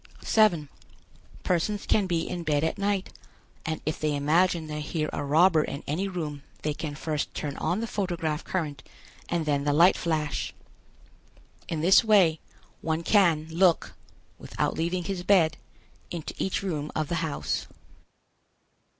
7. Persons can be in bed at night, and if they imagine they hear a robber in any room they can first turn on the photograph current and then the light flash. In this way one can look, without leaving his bed, into each room of the house.